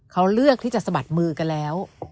เขาเลือกที่จะสะบัดมือกันแล้ว